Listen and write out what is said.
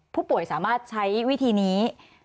ผู้ป่วยสามารถใช้วิธีนี้